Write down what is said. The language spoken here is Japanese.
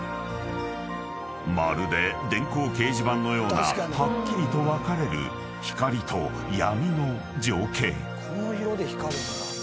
［まるで電光掲示板のようなはっきりと分かれる光と闇の情景］